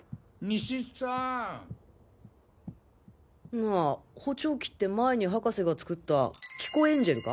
なあ補聴器って前に博士が作った「聞こエンジェル」か？